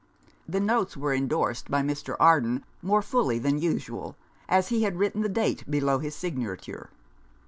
The notes were endorsed by Mr. Arden more fully than usual, as he had written the date below his signature.